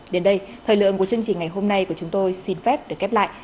đến đây thời lượng của chương trình ngày hôm nay của chúng tôi xin phép được khép lại